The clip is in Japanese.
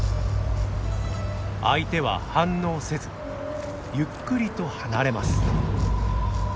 相手は反応せずゆっくりと離れます。